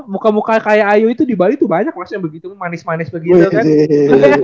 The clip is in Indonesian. muka muka kayak ayu itu di bali tuh banyak mas yang begitu manis manis begitu kan